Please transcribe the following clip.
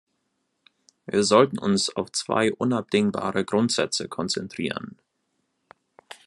Wir sollten uns auf zwei unabdingbare Grundsätze konzentrieren.